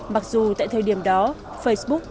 mặc dù tại thời điểm đó facebook